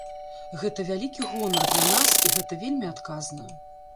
Гэта вялікі гонар для нас і гэта вельмі адказна.